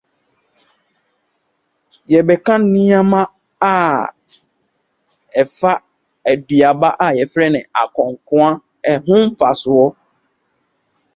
The campaign has been criticized by some academics as "mere state propaganda".